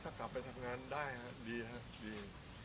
ถ้ากลับไปทำงานได้ครับดีครับดี